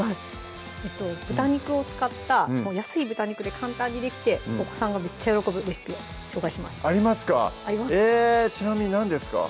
豚肉を使った安い豚肉で簡単にできてお子さんがむっちゃ喜ぶレシピを紹介しますありますかえちなみに何ですか？